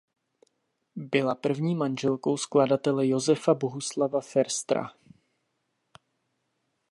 Byla první manželkou skladatele Josefa Bohuslava Foerstera.